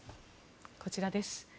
こちらです。